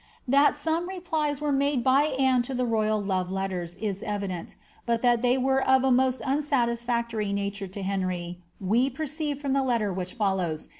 That some replies were made by Anne to the royal love letters is evi dent, but that they were of a most unsatisfaetory nature to Henry we perceive from the letter which follows.